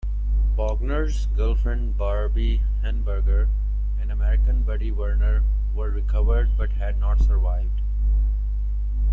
Bogner's girlfriend Barbi Henneberger and American Buddy Werner were recovered but had not survived.